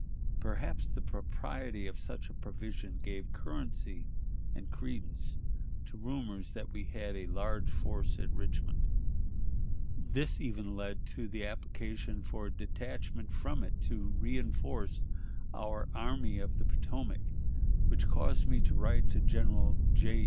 Perhaps the propriety of such provision gave currency and credence to rumors that we had a large force at Richmond. This even led to the application for a detachment from it to reënforce our Army of the Potomac, which caused me to write to General J.